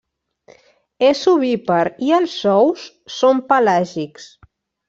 És ovípar i els ous són pelàgics.